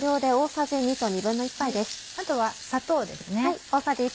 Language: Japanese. あとは砂糖です。